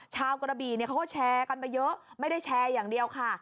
กระบี่เขาก็แชร์กันไปเยอะไม่ได้แชร์อย่างเดียวค่ะ